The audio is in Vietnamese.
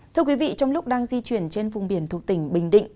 thưa quý vị trong lúc đang di chuyển trên vùng biển thuộc tỉnh bình định